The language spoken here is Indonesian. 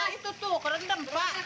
itu tuh kerendam pak